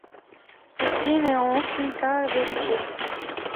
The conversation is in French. Ceci n'est en aucun cas vérifié.